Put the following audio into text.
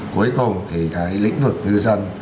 cuối cùng thì cái lĩnh vực ngư dân